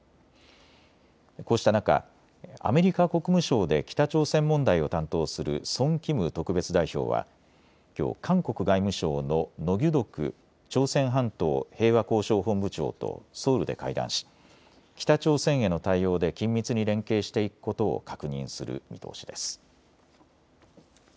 こうした中、アメリカ国務省で北朝鮮問題を担当するソン・キム特別代表はきょう韓国外務省のノ・ギュドク朝鮮半島平和交渉本部長とソウルで会談し北朝鮮への対応で緊密に連携していくことを確認する見通しです。